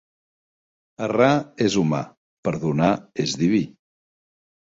Errar és humà, (Perdonar és diví).